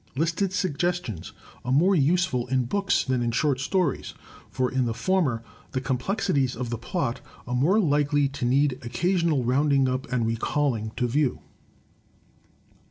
Listed suggestions are more useful in books than in short stories; for in the former the complexities of the plot are more likely to need occasional rounding up and recalling to view.